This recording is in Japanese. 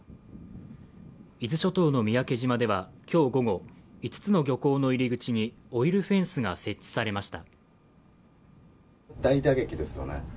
伊豆諸島の三宅島では今日午後、５つの漁港の入り口にオイルフェンスが設置されました。